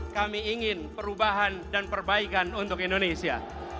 kami ingin perubahan dan perbaikan untuk indonesia